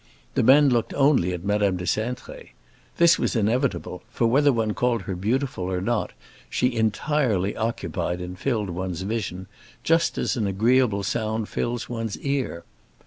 The men looked only at Madame de Cintré. This was inevitable; for whether one called her beautiful or not, she entirely occupied and filled one's vision, just as an agreeable sound fills one's ear.